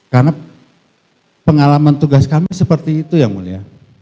karena pengalaman tugas kami seperti itu yang mulia